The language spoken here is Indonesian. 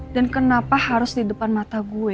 dan kenapa harus di depan mata gue